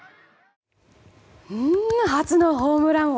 初のホームラン王。